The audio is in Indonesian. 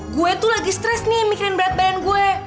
gue tuh lagi stres nih mikirin berat badan gue